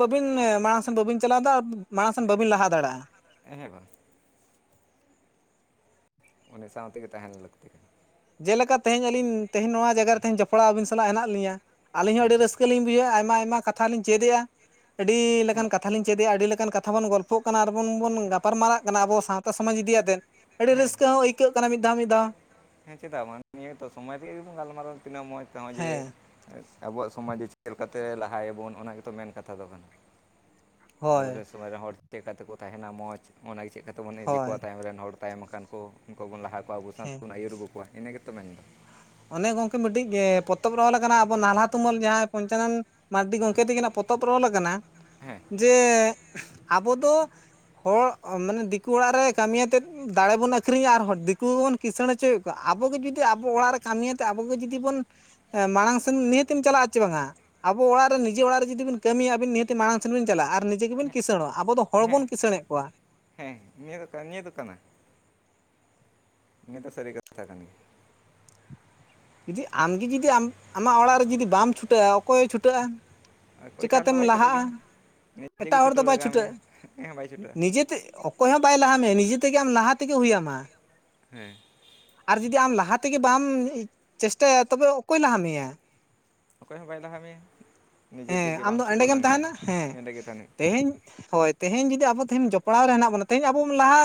ᱢᱟᱲᱟᱝ ᱥᱮᱫ ᱵᱟᱹᱵᱤᱱ ᱪᱟᱞᱟᱣ ᱮᱫᱟ ᱢᱟᱲᱟᱝ ᱥᱮᱱ ᱵᱟᱹᱵᱤᱱ ᱞᱟᱦᱟ ᱫᱟᱲᱮᱜ-ᱟ ᱾ [unintelligible] ᱩᱱᱤ ᱥᱟᱶᱛᱮ ᱜᱮ ᱛᱟᱦᱮᱱ ᱞᱟᱹᱠᱛᱤ ᱠᱟᱱᱟ ᱡᱮᱞᱮᱠᱟ ᱛᱮᱦᱮᱧ ᱟᱹᱞᱤᱧ ᱛᱮᱦᱮᱧ ᱱᱚᱣᱟ ᱡᱟᱭᱜᱟ ᱨᱮ ᱛᱮᱦᱮᱧ ᱡᱚᱯᱲᱟᱣ ᱟᱹᱵᱤᱱ ᱥᱟᱞᱟᱜ ᱦᱮᱱᱟᱜ ᱞᱤᱧᱟᱹ ᱾ ᱟᱹᱞᱤᱧ ᱦᱚᱸ ᱦᱮᱸ ᱟᱹᱰᱤ ᱨᱟᱹᱥᱠᱟᱹ ᱞᱤᱧ ᱵᱩᱡᱷᱟᱹᱣᱮᱜ-ᱟ ᱟᱭᱢᱟ ᱟᱭᱢᱟ ᱠᱟᱛᱷᱟ ᱞᱤᱧ ᱪᱮᱫᱮᱜ-ᱟ ᱟᱹᱰᱤ ᱞᱮᱠᱟᱱ ᱦᱮᱸ ᱠᱟᱛᱷᱟ ᱠᱟᱛᱷᱟ ᱞᱤᱧ ᱪᱮᱫᱮᱜ-ᱟ ᱟᱹᱰᱤ ᱞᱮᱠᱟᱱ ᱠᱟᱛᱷᱟ ᱵᱚᱱ ᱜᱚᱞᱯᱷᱚ ᱠᱟᱱᱟ ᱟᱨ ᱵᱚᱱ ᱜᱟᱯᱟᱞᱢᱟᱨᱟᱜ ᱠᱟᱱᱟ ᱟᱵᱚ ᱥᱟᱶᱛᱟ ᱥᱚᱢᱟᱡᱽ ᱤᱫᱤ ᱭᱟᱛᱮᱱ ᱟᱹᱰᱤ ᱦᱮᱸ ᱨᱟᱹᱥᱠᱟᱹ ᱦᱚᱸ ᱟᱹᱭᱠᱟᱹᱜ ᱠᱟᱱᱟ ᱢᱤᱫ ᱫᱷᱟᱣ ᱢᱤᱫ ᱫᱷᱟᱣ ᱾ ᱦᱮᱸ ᱪᱮᱫᱟᱜ ᱵᱟᱝ ᱱᱤᱭᱟᱹ ᱛᱚ ᱥᱚᱢᱚᱭ ᱵᱚᱱ ᱜᱟᱞᱢᱟᱨᱟᱣ ᱛᱤᱱᱟᱹᱜ ᱢᱚᱸᱡᱽ ᱛᱮᱦᱚᱸ ᱡᱮ ᱦᱮᱸ ᱟᱵᱚᱣᱟᱜ ᱥᱚᱢᱟᱡᱽ ᱫᱚ ᱪᱮᱫ ᱞᱮᱠᱟᱛᱮ ᱞᱟᱦᱟ ᱭᱟᱵᱚᱱ ᱚᱱᱟ ᱜᱮᱛᱚ ᱢᱮᱱ ᱠᱟᱛᱷᱟ ᱫᱚ ᱠᱟᱱᱟ ᱾ ᱟᱵᱚ ᱦᱳᱭ ᱨᱮᱱ ᱥᱚᱢᱟᱡᱽ ᱨᱮᱱ ᱦᱚᱲ ᱪᱮᱫᱠᱟ ᱛᱮᱠᱚ ᱛᱟᱦᱮᱱᱟ ᱢᱚᱸᱡᱽ ᱚᱱᱟᱜ ᱪᱮᱠᱟ ᱛᱮᱵᱚᱱ ᱤᱫᱤ ᱦᱳᱭ ᱠᱚᱣᱟ ᱛᱟᱭᱚᱢ ᱨᱮᱱ ᱦᱚᱲ ᱾ ᱛᱟᱭᱚᱢ ᱟᱠᱟᱱ ᱠᱚ ᱩᱱᱠᱩ ᱵᱚᱱ ᱞᱟᱦᱟ ᱠᱚᱣᱟ ᱟᱵᱚ ᱥᱟᱶᱛᱮ ᱦᱮᱸ ᱵᱚᱱ ᱟᱹᱭᱩᱨ ᱟᱹᱜᱩ ᱠᱚᱣᱟ ᱤᱱᱟᱹ ᱜᱮᱛᱚ ᱢᱮᱱ ᱫᱚ ᱚᱱᱮ ᱜᱚᱝᱠᱮ ᱢᱤᱫᱴᱤᱡ ᱜᱮ ᱯᱚᱛᱚᱵ ᱨᱮ ᱚᱞ ᱟᱠᱟᱱᱟ, ᱟᱵᱚ ᱱᱟᱞᱦᱟ ᱛᱩᱢᱟᱹᱞ ᱡᱟᱦᱟᱸᱭ ᱯᱚᱧᱪᱟᱱᱚᱱ ᱢᱟᱨᱰᱤ ᱜᱚᱢᱠᱮ ᱛᱟᱹᱠᱤᱱᱟᱜ ᱯᱚᱛᱚᱵ ᱨᱮ ᱚᱞ ᱟᱠᱟᱱᱟ ᱦᱮᱸ ᱡᱮ ᱟᱵᱚ ᱫᱚ ᱦᱚᱲ ᱢᱟᱱᱮ ᱫᱤᱠᱩ ᱚᱲᱟᱜ ᱨᱮ ᱠᱟᱹᱢᱤ ᱭᱟᱛᱮᱫ ᱫᱟᱲᱮ ᱵᱚᱱ ᱟᱹᱠᱷᱨᱤᱧᱟ ᱟᱨ ᱫᱤᱠᱩ ᱵᱚᱱ ᱠᱤᱥᱟᱹᱬ ᱦᱚᱪᱚᱭᱮᱫ ᱠᱚᱣᱟ ᱟᱵᱚ ᱜᱮ ᱡᱩᱫᱤ ᱟᱵᱚ ᱚᱲᱟᱜ ᱨᱮ ᱠᱟᱹᱢᱤ ᱭᱟᱛᱮ ᱟᱵᱚ ᱜᱮ ᱡᱩᱫᱤ ᱵᱚᱱ ᱦᱮᱸ ᱢᱟᱲᱟᱝ ᱥᱮᱱ ᱱᱤᱦᱟᱹᱛᱤᱢ ᱪᱟᱞᱟᱜ-ᱟ ᱪᱮ ᱵᱟᱝᱟ ᱟᱵᱚ ᱚᱲᱟᱜ ᱨᱮ ᱱᱤᱡᱮ ᱚᱲᱟᱜ ᱨᱮ ᱡᱩᱫᱤ ᱵᱤᱱ ᱠᱟᱹᱢᱤᱭᱟ ᱟᱹᱵᱤ ᱱᱤᱦᱟᱹᱛᱤ ᱢᱟᱲᱟᱝ ᱥᱮᱫ ᱵᱤᱱ ᱪᱟᱞᱟᱜ-ᱟ ᱟᱨ ᱱᱤᱡᱮ ᱜᱮ ᱵᱤᱱ ᱠᱤᱥᱟᱹᱬᱚᱜ-ᱟ ᱟᱵᱚ ᱫᱚ ᱦᱚᱲ ᱦᱮᱸ ᱵᱚᱱ ᱠᱤᱥᱟᱹᱬᱮᱫ ᱠᱚᱣᱟ ᱾ ᱦᱮᱸ ᱱᱤᱭᱟᱹ ᱫᱚ ᱱᱤᱭᱟᱹ ᱫᱚ ᱠᱟᱱᱟ ᱾ ᱱᱤᱭᱟᱹ ᱫᱚ ᱥᱟᱹᱨᱤ ᱠᱟᱛᱷᱟ ᱠᱟᱱ ᱜᱮᱭᱟ ᱡᱩᱫᱤ ᱟᱢᱜᱮ ᱡᱩᱫᱤ ᱟᱢᱟᱜ ᱚᱲᱟᱜ ᱨᱮ ᱡᱩᱫᱤ ᱵᱟᱢ ᱪᱷᱩᱴᱟᱹᱜ-ᱟ ᱚᱠᱚᱭᱮ ᱪᱷᱩᱴᱟᱹᱜ-ᱟ ᱟᱨ ᱪᱮᱠᱟ ᱚᱠᱚᱭᱴᱟᱜ ᱫᱚ ᱛᱮᱢ ᱵᱟᱭ ᱪᱷᱩᱴᱟᱹᱜ ᱞᱟᱦᱟᱜ-ᱟ? ᱜᱮᱭᱟ ᱱᱤᱡᱮ ᱜᱮ ᱮᱴᱟᱜ ᱦᱚᱲ ᱫᱚ ᱪᱷᱩᱴᱟᱹᱣ ᱵᱟᱭ ᱞᱟᱜᱟᱣ ᱢᱮᱭᱟ ᱪᱷᱩᱴᱟᱹᱜ-ᱟ ᱚᱠᱚᱭ ᱦᱚᱸ ᱵᱟᱭ ᱪᱷᱩᱴᱟᱹᱜᱼᱟ ᱱᱤᱡᱮᱛᱮ ᱚᱠᱚᱭ ᱦᱚᱸ ᱵᱟᱭ ᱞᱟᱦᱟ ᱢᱮᱭᱟ ᱱᱤᱡᱮ ᱛᱮ ᱜᱮ ᱟᱢ ᱞᱟᱦᱟ ᱛᱮᱜᱮ ᱦᱩᱭ ᱟᱢᱟ ᱾ ᱦᱮᱸ ᱾ ᱟᱨ ᱡᱩᱫᱤ ᱟᱢ ᱞᱟᱦᱟ ᱛᱮᱜᱮ ᱵᱟᱢ ᱪᱮᱥᱴᱟᱭᱟ ᱛᱚᱵᱮ ᱚᱠᱚᱭ ᱞᱟᱦᱟ ᱢᱮᱭᱟ ᱚᱠᱚᱭ ᱦᱚᱸ ᱵᱟᱭ ᱞᱟᱦᱟ ᱢᱮᱭᱟ ᱱᱤᱡᱮ ᱦᱮᱸ ᱛᱮᱜᱮ ᱟᱢ ᱵᱟᱢ ᱫᱚ ᱟᱸᱰᱮ ᱪᱷᱩᱴᱟᱹᱣ ᱜᱮᱢ ᱞᱮᱱᱠᱷᱟᱱ ᱛᱟᱦᱮᱱᱟ, ᱦᱮᱸ ᱦᱮᱸᱫᱮ ᱜᱮ ᱛᱟᱦᱮᱱ ᱦᱩᱭᱩᱜᱼᱟ ᱛᱮᱦᱮᱧ ᱦᱚᱭ ᱛᱮᱦᱮᱧ ᱡᱩᱫᱤ ᱟᱵᱚ ᱛᱮᱦᱮᱧ ᱡᱚᱯᱲᱟᱣ ᱨᱮ ᱦᱮᱱᱟᱜ ᱵᱚᱱᱟ ᱛᱮᱦᱮᱧ ᱟᱵᱚ ᱵᱚᱱ ᱞᱟᱦᱟ